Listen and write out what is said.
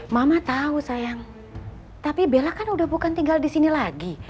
mama tahu sayang tapi bella kan udah bukan tinggal di sini lagi